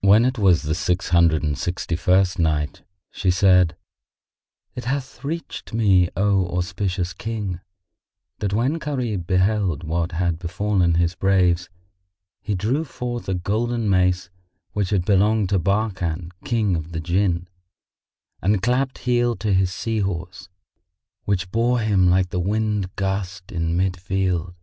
When it was the Six Hundred and Sixty first Night, She said, It hath reached me, O auspicious King, that when Gharib beheld what had befallen his braves he drew forth a golden mace which had belonged to Barkan King of the Jann and clapped heel to his sea horse, which bore him like the wind gust into mid field.